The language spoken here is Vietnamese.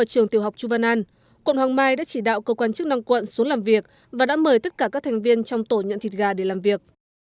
trường tiểu học chu văn an quận hoàng mai đã chỉ đạo cơ quan chức năng quận xuống làm việc và đã mời tất cả các thành viên trong tổ nhận thịt gà để làm việc